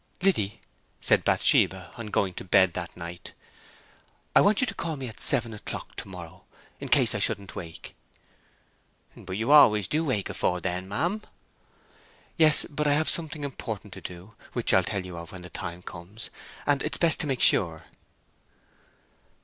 "Liddy," said Bathsheba, on going to bed that night, "I want you to call me at seven o'clock to morrow, in case I shouldn't wake." "But you always do wake afore then, ma'am." "Yes, but I have something important to do, which I'll tell you of when the time comes, and it's best to make sure."